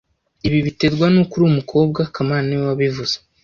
Ibi biterwa nuko uri umukobwa kamana niwe wabivuze